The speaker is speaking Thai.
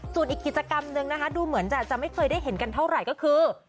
ส่วนอีกกิจกรรมนึงนะคะดูเหมือนจะไม่เคยได้เห็นกันเท่าไหร่ก็คือ